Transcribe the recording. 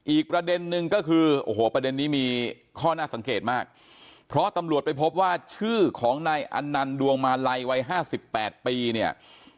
อีกประเด็นนึงก็คือโอ้โหประเด็นนี้มีข้อน่าสังเกตมากเพราะตำรวจไปพบว่าชื่อของนายอันนันดวงมาลัยวัย๕๘ปีเนี่ย